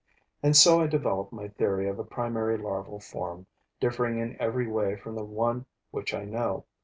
And so I develop my theory of a primary larval form, differing in every way from the one which I know.